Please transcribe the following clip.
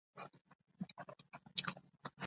ازادي راډیو د کډوال په اړه د حکومتي ستراتیژۍ ارزونه کړې.